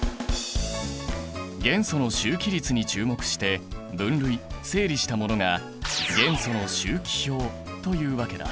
元素の周期律に注目して分類整理したものが元素の周期表というわけだ。